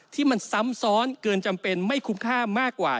ที่มันซ้ำซ้อนเกินจำเป็นไม่คุ้มค่ามากกว่า